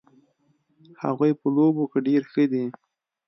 هغوی په لوبو کې ډېر ښه دي